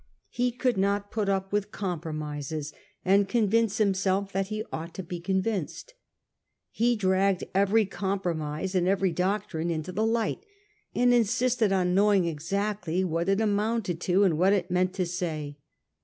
He could not put up with compromises, and convince himself that he ought to be convinced. He dragged every compromise and every doctrine into the light, and insisted on knowing exactly what it amounted to and what it meant to say.